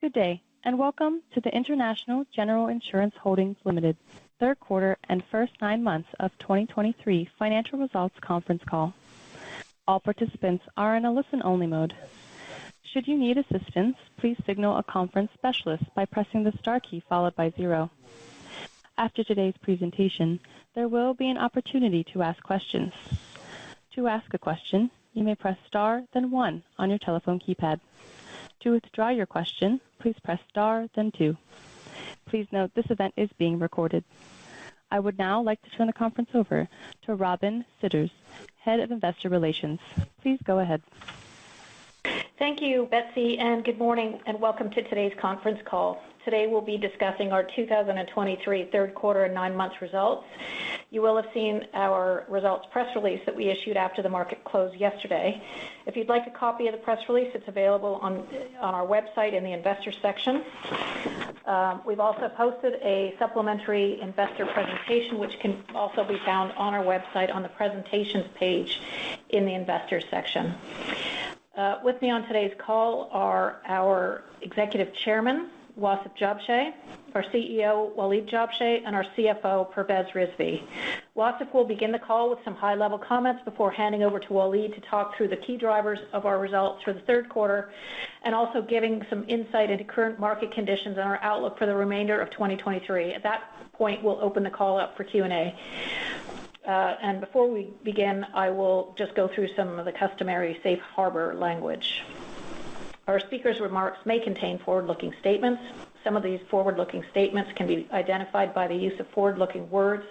Good day, and welcome to the International General Insurance Holdings Limited third quarter and first nine months of 2023 financial results conference call. All participants are in a listen-only mode. Should you need assistance, please signal a conference specialist by pressing the star key followed by zero. After today's presentation, there will be an opportunity to ask questions. To ask a question, you may press star, then one on your telephone keypad. To withdraw your question, please press star, then two. Please note, this event is being recorded. I would now like to turn the conference over to Robin Sidders, Head of Investor Relations. Please go ahead. Thank you, Betsy, and good morning, and welcome to today's conference call. Today, we'll be discussing our 2023 third quarter and nine months results. You will have seen our results press release that we issued after the market closed yesterday. If you'd like a copy of the press release, it's available on our website in the investor section. We've also posted a supplementary investor presentation, which can also be found on our website on the presentations page in the investor section. With me on today's call are our Executive Chairman, Wasef Jabsheh, our CEO, Waleed Jabsheh, and our CFO, Pervez Rizvi. Wasef will begin the call with some high-level comments before handing over to Waleed to talk through the key drivers of our results for the third quarter, and also giving some insight into current market conditions and our outlook for the remainder of 2023. At that point, we'll open the call up for Q&A. And before we begin, I will just go through some of the customary safe harbor language. Our speakers' remarks may contain forward-looking statements. Some of these forward-looking statements can be identified by the use of forward-looking words.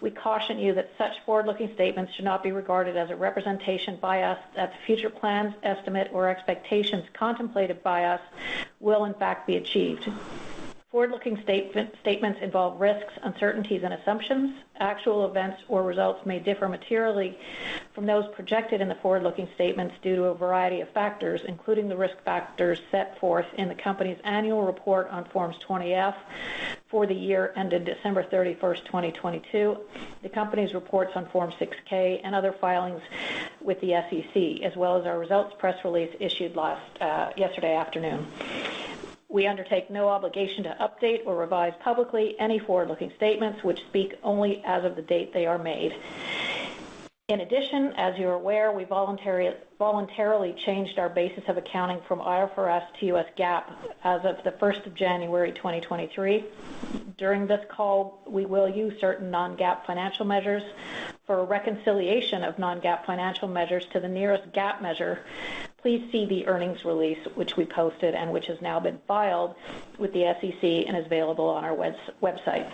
We caution you that such forward-looking statements should not be regarded as a representation by us that the future plans, estimate, or expectations contemplated by us will in fact be achieved. Forward-looking statements involve risks, uncertainties, and assumptions. Actual events or results may differ materially from those projected in the forward-looking statements due to a variety of factors, including the risk factors set forth in the company's annual report on Form 20-F for the year ended December 31, 2022, the company's reports on Form 6-K and other filings with the SEC, as well as our results press release issued last yesterday afternoon. We undertake no obligation to update or revise publicly any forward-looking statements which speak only as of the date they are made. In addition, as you're aware, we voluntarily changed our basis of accounting from IFRS to U.S. GAAP as of January 1, 2023. During this call, we will use certain non-GAAP financial measures. For a reconciliation of non-GAAP financial measures to the nearest GAAP measure, please see the earnings release, which we posted and which has now been filed with the SEC and is available on our website.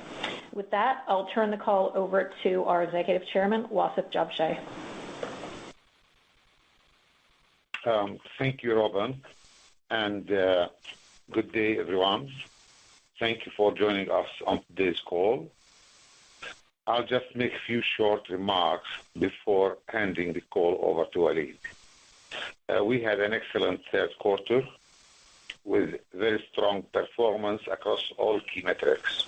With that, I'll turn the call over to our Executive Chairman, Wasef Jabsheh. Thank you, Robin, and good day, everyone. Thank you for joining us on today's call. I'll just make a few short remarks before handing the call over to Waleed. We had an excellent third quarter with very strong performance across all key metrics.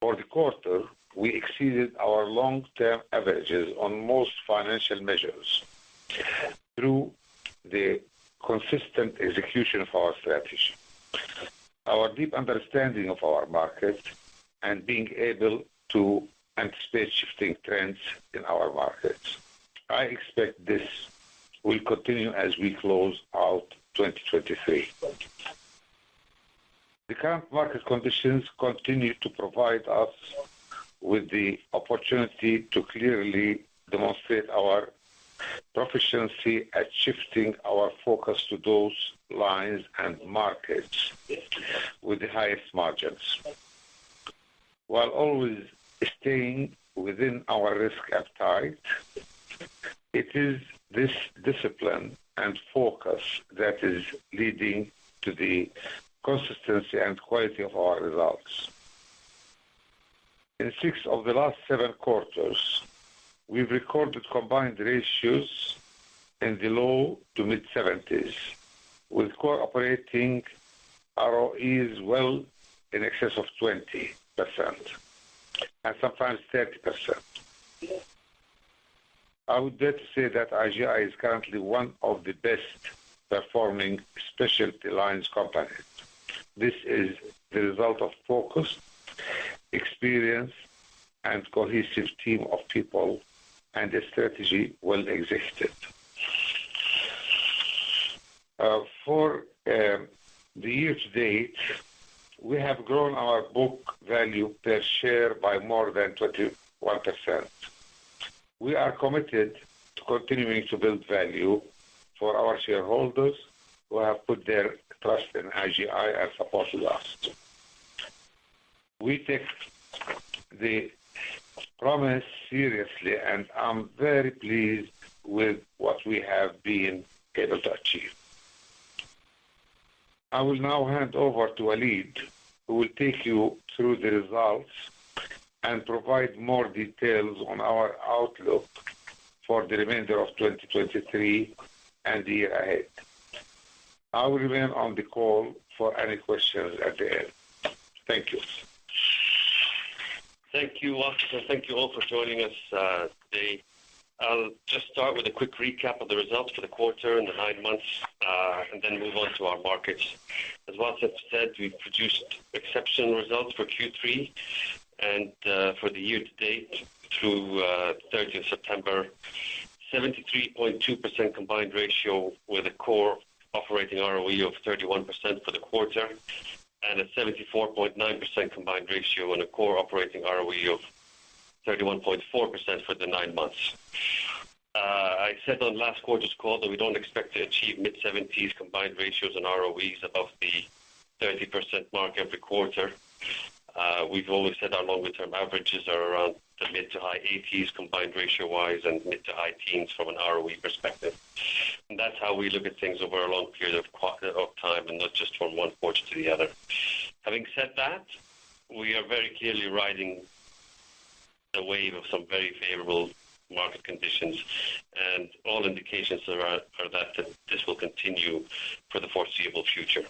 For the quarter, we exceeded our long-term averages on most financial measures through the consistent execution of our strategy, our deep understanding of our market, and being able to anticipate shifting trends in our markets. I expect this will continue as we close out 2023. The current market conditions continue to provide us with the opportunity to clearly demonstrate our proficiency at shifting our focus to those lines and markets with the highest margins, while always staying within our risk appetite. It is this discipline and focus that is leading to the consistency and quality of our results. In six of the last seven quarters, we've recorded Combined Ratios in the low-to-mid 70s, with core operating ROEs well in excess of 20%, and sometimes 30%. I would dare to say that IGI is currently one of the best-performing specialty lines companies. This is the result of focus, experience, and cohesive team of people, and a strategy well executed. For the year-to-date, we have grown our book value per share by more than 21%. We are committed to continuing to build value for our shareholders who have put their trust in IGI and supported us. We take the promise seriously, and I'm very pleased with what we have been able to achieve. I will now hand over to Waleed, who will take you through the results and provide more details on our outlook for the remainder of 2023 and the year ahead. I will remain on the call for any questions at the end. Thank you.... Thank you, Wasef, thank you all for joining us today. I'll just start with a quick recap of the results for the quarter and the nine months and then move on to our markets. As Wasef said, we've produced exceptional results for Q3 and for the year-to-date through 30th of September. 73.2% combined ratio with a core operating ROE of 31% for the quarter, and a 74.9% combined ratio and a core operating ROE of 31.4% for the nine months. I said on last quarter's call that we don't expect to achieve mid-70s combined ratios and ROEs above the 30% mark every quarter. We've always said our longer term averages are around the mid-to-high 80s, combined ratio wise and mid-to-high teens from an ROE perspective. That's how we look at things over a long period of time, and not just from one quarter to the other. Having said that, we are very clearly riding the wave of some very favorable market conditions, and all indications are that this will continue for the foreseeable future.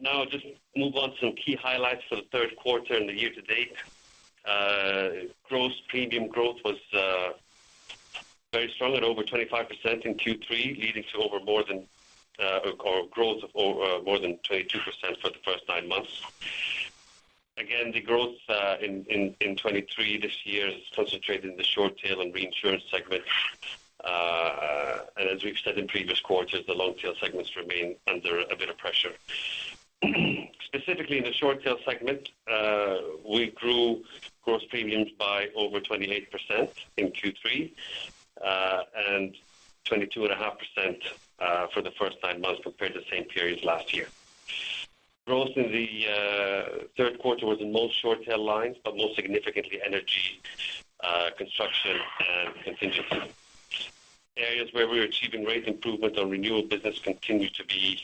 Now just move on to some key highlights for the third quarter and the year-to-date. Gross premium growth was very strong at over 25% in Q3, leading to growth of over more than 22% for the first nine months. Again, the growth in 2023 this year is concentrated in the short tail and reinsurance segment. And as we've said in previous quarters, the long tail segments remain under a bit of pressure. Specifically in the short-tail segment, we grew gross premiums by over 28% in Q3, and 22.5%, for the first nine months compared to the same period last year. Growth in the third quarter was in most short-tail lines, but most significantly Energy, Construction and Contingency. Areas where we were achieving great improvement on renewal business continued to be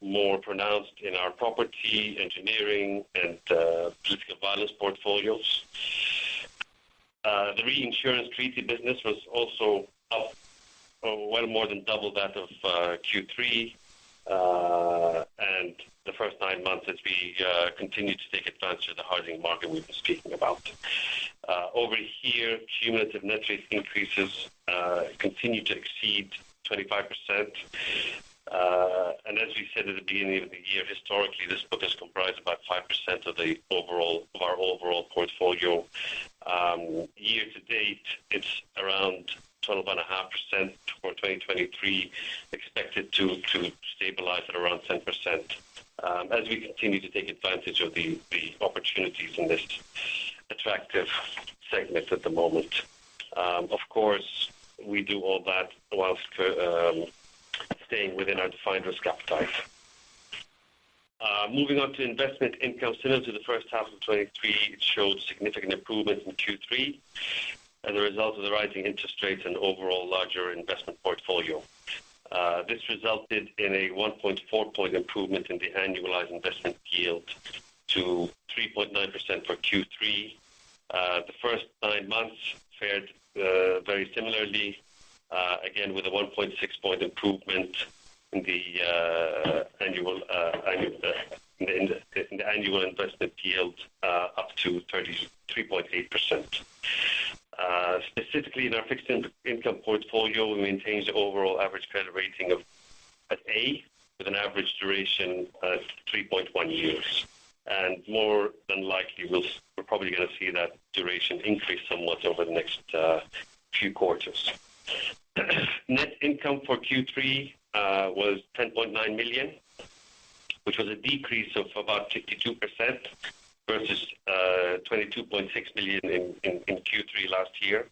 more pronounced in our Property, Engineering and Political Violence portfolios. The reinsurance treaty business was also up, well more than double that of Q3, and the first nine months as we continued to take advantage of the hardening market we've been speaking about. Over here, cumulative net rate increases continue to exceed 25%. As we said at the beginning of the year, historically, this book is comprised about 5% of our overall portfolio. Year-to-date, it's around 12.5% for 2023, expected to stabilize at around 10%, as we continue to take advantage of the opportunities in this attractive segment at the moment. Of course, we do all that whilst staying within our defined risk appetite. Moving on to investment income. Similar to the first half of 2023, it showed significant improvement in Q3 as a result of the rising interest rates and overall larger investment portfolio. This resulted in a 1.4-point improvement in the annualized investment yield to 3.9% for Q3. The first nine months fared very similarly again, with a 1.6-point improvement in the annual investment yield up to 3.8%. Specifically in our fixed income portfolio, we maintained the overall average credit rating of A, with an average duration of 3.1 years. And more than likely, we're probably going to see that duration increase somewhat over the next few quarters. Net income for Q3 was $10.9 million, which was a decrease of about 52% versus $22.6 million in Q3 last year.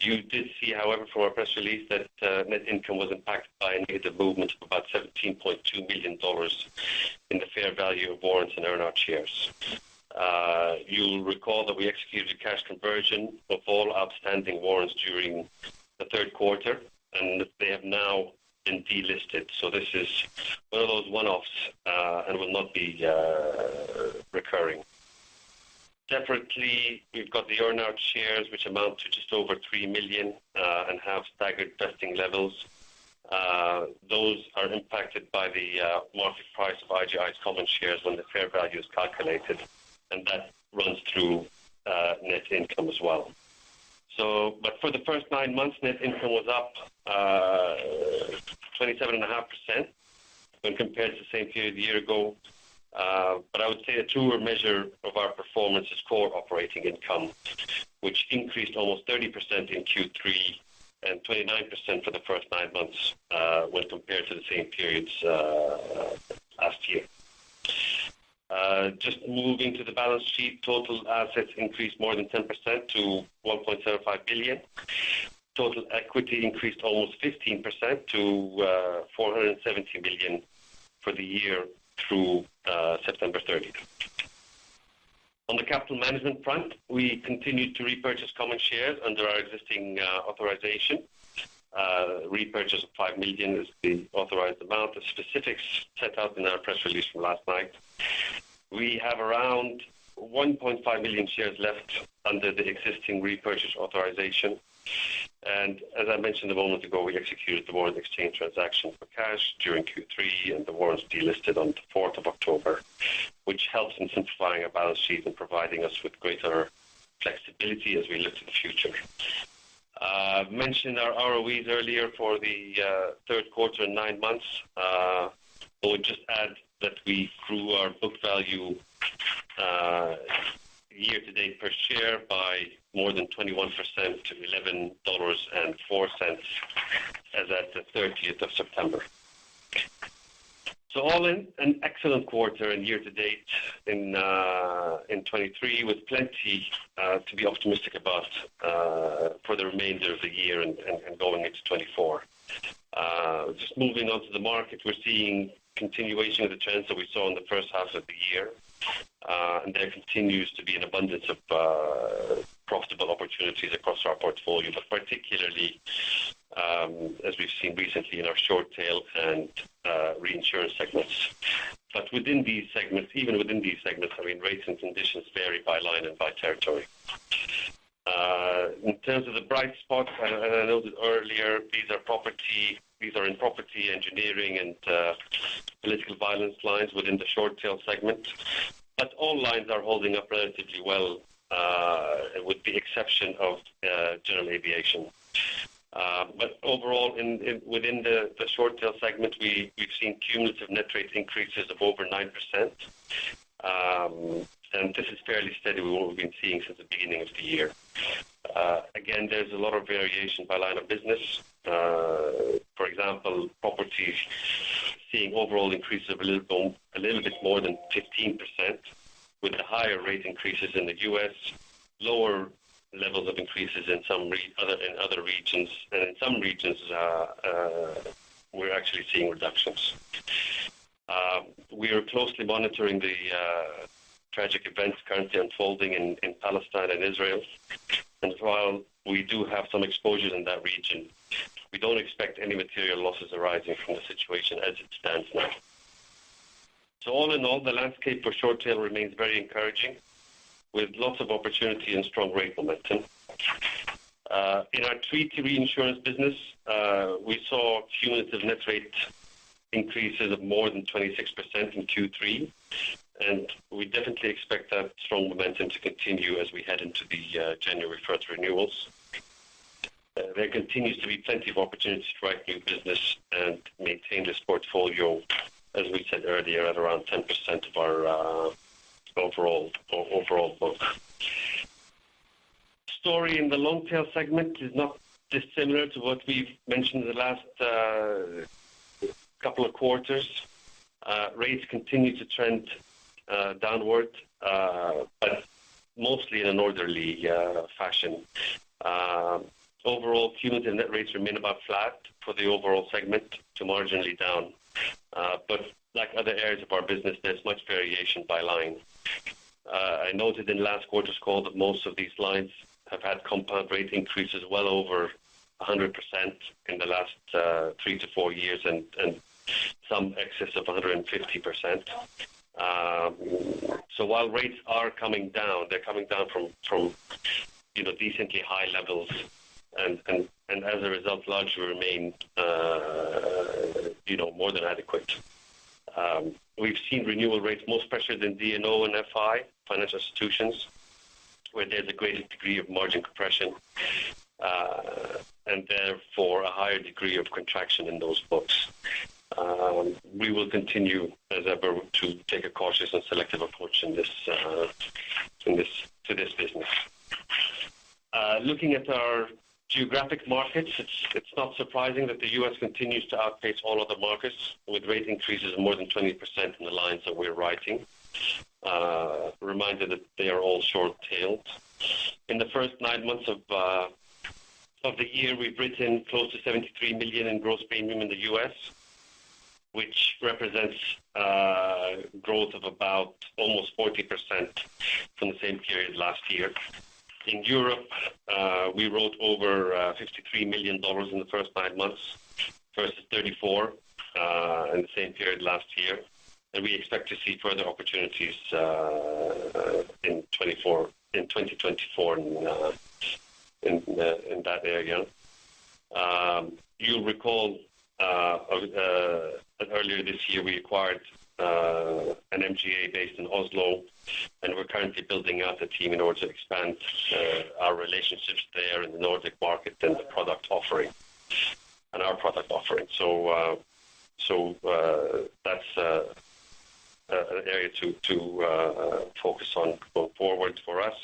You did see, however, from our press release, that net income was impacted by a negative movement of about $17.2 million in the fair value of warrants and earn out shares. You'll recall that we executed a cash conversion of all outstanding warrants during the third quarter, and they have now been delisted. So this is one of those one-offs, and will not be recurring. Separately, we've got the earn out shares, which amount to just over 3 million, and have staggered vesting levels. Those are impacted by the market price of IGI's common shares when the fair value is calculated, and that runs through net income as well. So but for the first nine months, net income was up 27.5% when compared to the same period a year ago. But I would say a truer measure of our performance is core operating income, which increased almost 30% in Q3 and 29% for the first nine months when compared to the same periods last year. Just moving to the balance sheet, total assets increased more than 10% to $1.75 million. Total equity increased almost 15% to $470 million for the year through September 30th. On the capital management front, we continued to repurchase common shares under our existing authorization. Repurchase of 5 million is the authorized amount of specifics set out in our press release from last night. We have around 1.5 million shares left under the existing repurchase authorization. And as I mentioned a moment ago, we executed the warrant exchange transaction for cash during Q3, and the warrants delisted on the 4th of October, which helps in simplifying our balance sheet and providing us with greater flexibility as we look to the future. I've mentioned our ROEs earlier for the third quarter, nine months. I would just add that we grew our book value year-to-date per share by more than 21% to $11.04, as at the 30th of September. So all in, an excellent quarter and year-to-date in 2023, with plenty to be optimistic about for the remainder of the year and going into 2024. Just moving on to the market, we're seeing continuation of the trends that we saw in the first half of the year. And there continues to be an abundance of profitable opportunities across our portfolio, but particularly, as we've seen recently in our short tail and reinsurance segments. But within these segments, even within these segments, I mean, rates and conditions vary by line and by territory. In terms of the bright spots, and I noted earlier, these are in property engineering and political violence lines within the short tail segment. But all lines are holding up relatively well, with the exception of General Aviation. But overall, within the short tail segment, we've seen cumulative net rate increases of over 9%. And this is fairly steady with what we've been seeing since the beginning of the year. Again, there's a lot of variation by line of business. For example, property seeing overall increases of a little bit more than 15%, with the higher rate increases in the U.S., lower levels of increases in some other regions. In some regions, we're actually seeing reductions. We are closely monitoring the tragic events currently unfolding in Palestine and Israel. And while we do have some exposure in that region, we don't expect any material losses arising from the situation as it stands now. So all in all, the landscape for short tail remains very encouraging, with lots of opportunity and strong rate momentum. In our treaty reinsurance business, we saw cumulative net rate increases of more than 26% in Q3, and we definitely expect that strong momentum to continue as we head into the January first renewals. There continues to be plenty of opportunities to write new business and maintain this portfolio, as we said earlier, at around 10% of our overall book. The story in the long tail segment is not dissimilar to what we've mentioned in the last couple of quarters. Rates continue to trend downward, but mostly in an orderly fashion. Overall, cumulative net rates remain about flat for the overall segment to marginally down. But like other areas of our business, there's much variation by line. I noted in last quarter's call that most of these lines have had compound rate increases well over 100% in the last three to four years, and some excess of 150%. So while rates are coming down, they're coming down from, from, you know, decently high levels, and, and, and as a result, largely remain, you know, more than adequate. We've seen renewal rates most pressured in D&O and FI, Financial Institutions, where there's a greater degree of margin compression, and therefore a higher degree of contraction in those books. We will continue, as ever, to take a cautious and selective approach in this to this business. Looking at our geographic markets, it's not surprising that the U.S. continues to outpace all other markets, with rate increases of more than 20% in the lines that we're writing. Reminder that they are all short-tail. In the first nine months of the year, we've written close to $73 million in gross premium in the U.S., which represents growth of about almost 40% from the same period last year. In Europe, we wrote over $53 million in the first five months, versus $34 million in the same period last year. We expect to see further opportunities in 2024 in that area. You'll recall that earlier this year, we acquired an MGA based in Oslo, and we're currently building out the team in order to expand our relationships there in the Nordic market and the product offering, and our product offering. So, that's an area to focus on going forward for us.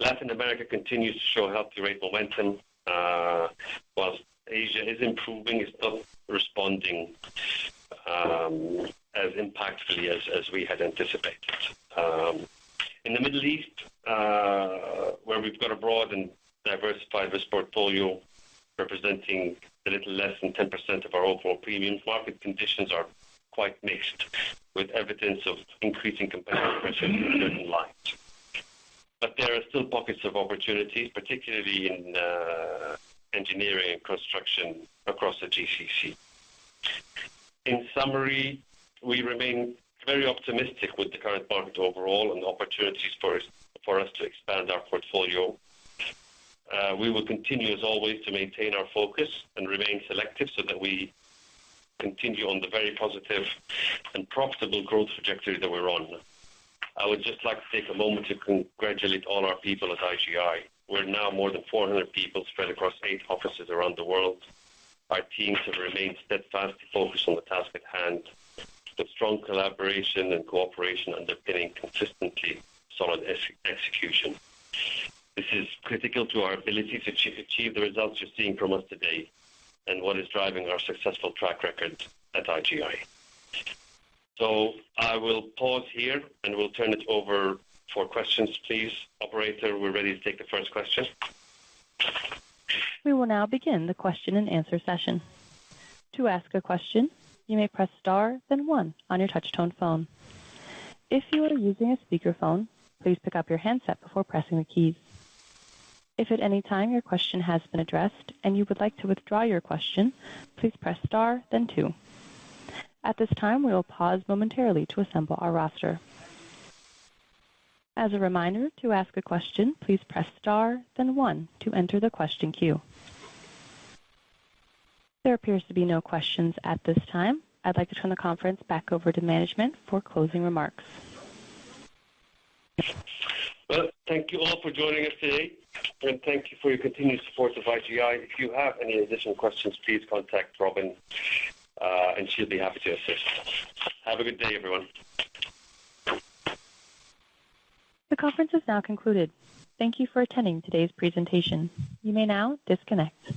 Latin America continues to show healthy rate momentum. While Asia is improving, it's not responding as impactfully as we had anticipated. In the Middle East, where we've got a broad and diversified risk portfolio, representing a little less than 10% of our overall premiums, market conditions are quite mixed, with evidence of increasing competitive pressure in certain lines. But there are still pockets of opportunities, particularly in engineering and construction across the GCC. In summary, we remain very optimistic with the current market overall and the opportunities for us to expand our portfolio. We will continue, as always, to maintain our focus and remain selective so that we continue on the very positive and profitable growth trajectory that we're on. I would just like to take a moment to congratulate all our people at IGI. We're now more than 400 people spread across eight offices around the world. Our teams have remained steadfast, focused on the task at hand, with strong collaboration and cooperation underpinning consistently solid execution. This is critical to our ability to achieve the results you're seeing from us today and what is driving our successful track record at IGI. I will pause here, and we'll turn it over for questions, please. Operator, we're ready to take the first question. We will now begin the question-and-answer session. To ask a question, you may press star then one on your touchtone phone. If you are using a speakerphone, please pick up your handset before pressing the keys. If at any time your question has been addressed and you would like to withdraw your question, please press star then two. At this time, we will pause momentarily to assemble our roster. As a reminder, to ask a question, please press star then one to enter the question queue. There appears to be no questions at this time. I'd like to turn the conference back over to management for closing remarks. Well, thank you all for joining us today, and thank you for your continued support of IGI. If you have any additional questions, please contact Robin, and she'll be happy to assist. Have a good day, everyone. The conference is now concluded. Thank you for attending today's presentation. You may now disconnect.